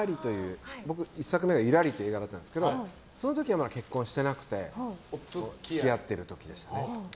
僕、１作目が「ゆらり」という映画だったんですけどその時は結婚してなくて付き合ってる時でしたね。